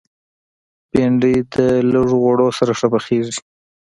بېنډۍ د لږ غوړو سره ښه پخېږي